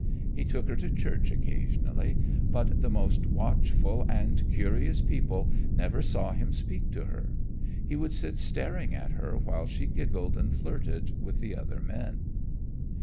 He took her to church occasionally, but the most watchful and curious people never saw him speak to her. He would sit staring at her while she giggled and flirted with the other men.